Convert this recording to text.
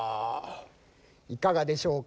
いかがでしょうか？